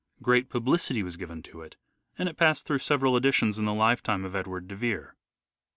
Great publicity was given to it, and it passed through several editions in the lifetime of Edward de Vere.